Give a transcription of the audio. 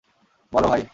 বলো, ভাই।